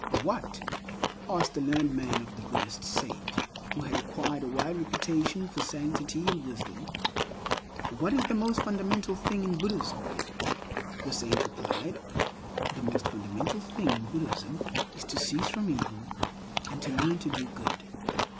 "What," asked the learned man of the Buddhist saint who had acquired a wide reputation for sanctity and wisdom—"what is the most fundamental thing in Buddhism?" The saint replied, "The most fundamental thing in Buddhism is to cease from evil and to learn to do good."